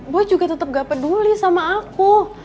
boy juga tetep gak peduli sama aku